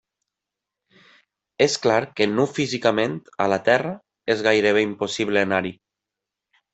És clar que nu físicament, a la Terra, és gairebé impossible anar-hi.